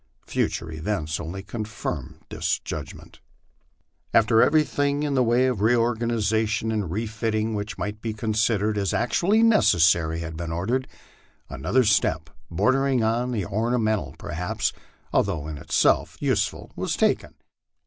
Future events only confirmed this judgment. After everything in the way of reorganization and refitting which might be considered as actually necessary had been ordered, another step, bordering on the ornamental perhaps, although in itself useful, was taken.